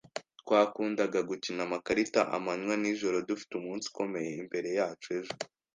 Twakundaga gukina amakarita amanywa n'ijoro. Dufite umunsi ukomeye imbere yacu ejo